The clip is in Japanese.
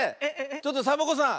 ちょっとサボ子さん